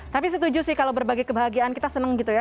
tapi setuju sih kalau berbagi kebahagiaan kita senang gitu ya